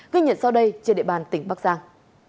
ghi nhận sau đây trên địa bàn tỉnh bắc giang